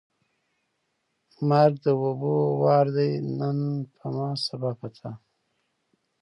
ـ مرګ د اوبو وار دی نن په ما ، سبا په تا.